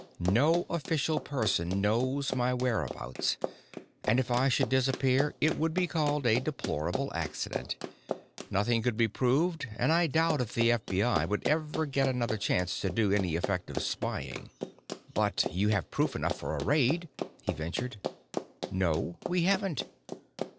No official person knows my whereabouts and if I should disappear it would be called a deplorable accident. Nothing could be proved and I doubt if the FBI would ever get another chance to do any effective spying." "But you have proof enough for a raid," he ventured. "No, we haven't.